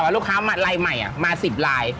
ว่าลูกค้ามาลายเป็นใหม่มา๑๐ลาย